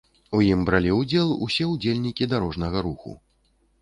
У ім бралі ўдзел усе ўдзельнікі дарожнага руху.